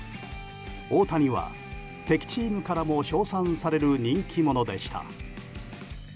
大谷は敵チームからも称賛される人気者でした。